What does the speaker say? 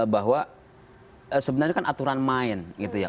bahwa sebenarnya kan aturan main gitu ya